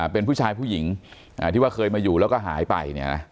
เป็นผู้ชายผู้หญิงที่ว่าเคยมาอยู่แล้วก็หายไป